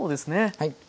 はい。